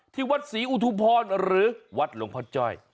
ที่วัดศรีอุทุมพรหรือวัดหลวงพ่อจ้อย